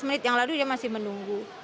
lima menit yang lalu dia masih menunggu